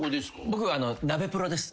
僕ナベプロです。